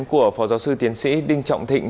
của phó giáo sư tiến sĩ đinh trọng thịnh